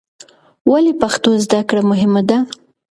ولې پښتو زده کړه مهمه ده؟